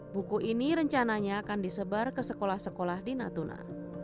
buku ini rencananya akan disebar ke sekolah sekolah di natuna